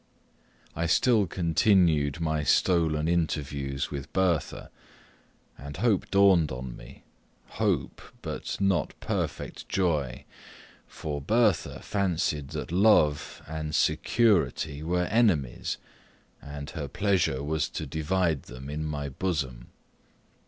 I still continued my stolen interviews with Bertha, and Hope dawned on me Hope but not perfect joy; for Bertha fancied that love and security were enemies, and her pleasure was to divide them in my bosom.